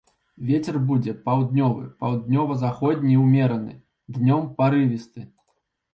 Вецер будзе паўднёвы, паўднёва-заходні ўмераны, днём парывісты.